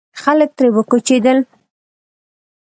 خلک ترې وکوچېدل.